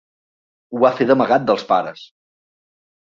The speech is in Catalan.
Ho va fer d'amagat dels pares.